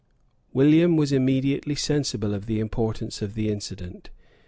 William was immediately sensible of the importance of the incident.